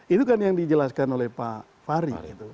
itu kan yang dijelaskan oleh pak fahri